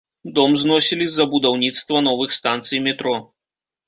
Дом зносілі з-за будаўніцтва новых станцый метро.